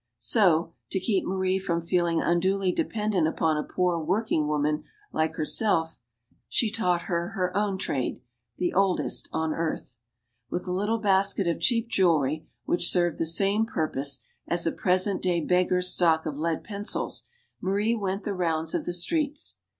So, to keep Marie from feeling unduly dependent upon a poor working woman like herself, she taught her her own. trade the oldest on earth. With a little basket of cheap jewelry which served the same purpose as a present day beggar's stock of lead pencils Marie went the rounds of the streets.